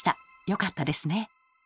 よかったですね。